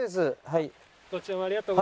はい。